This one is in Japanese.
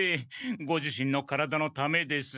ご自身の体のためです。